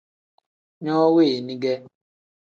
No weni ge.